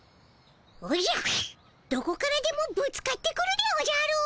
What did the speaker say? おじゃどこからでもぶつかってくるでおじゃる！